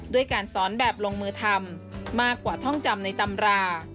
ด้วยการสอนแบบลงมือทำมากกว่าท่องจำในตำรา